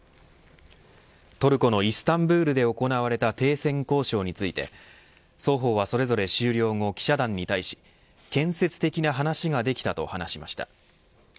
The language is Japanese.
トルコのイスタンブールで行われた停戦交渉について双方はそれぞれ終了後記者団に対し建設的な話ができたと話しました。